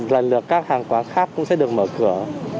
lần lượt các hàng quán khác cũng sẽ được mở cửa